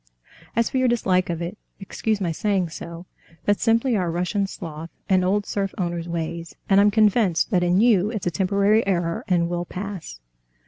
"As for your dislike of it, excuse my saying so, that's simply our Russian sloth and old serf owner's ways, and I'm convinced that in you it's a temporary error and will pass."